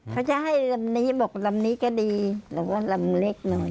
เขาจะให้ลำนี้บอกลำนี้ก็ดีแล้วก็ลำเล็กหน่อย